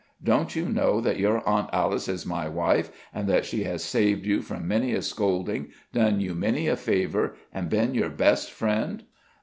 Don't you know that your Aunt Alice is my wife, and that she has saved you from many a scolding, done you many a favor, and been your best friend?"